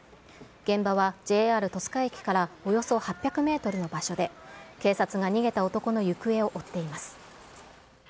現場はＪＲ戸塚駅からおよそ８００メートルの場所で、警察が逃げた男の行方を追っています。